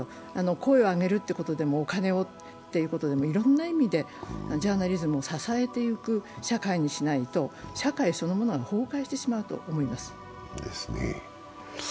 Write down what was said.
声を上げるということでもお金をということでもいろんな意味でジャーナリズムを支えていく社会にしないと社会そのものが崩壊してしまうと思います。